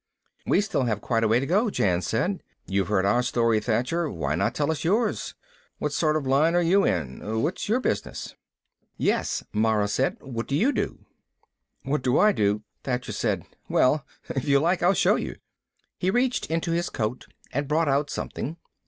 "We still have quite a way to go," Jan said. "You've heard our story, Thacher. Why not tell us yours? What sort of line are you in? What's your business?" "Yes," Mara said. "What do you do?" "What do I do?" Thacher said. "Well, if you like, I'll show you." He reached into his coat and brought out something.